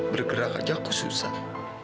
bergerak aja aku susah